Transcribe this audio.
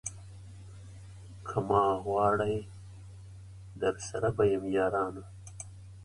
که ما غواړی درسره به یم یارانو